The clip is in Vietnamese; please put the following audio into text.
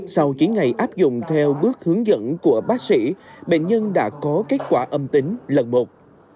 sau chín ngày áp dụng theo bước hướng dẫn của bác sĩ bệnh nhân đã có kết quả âm tính lần một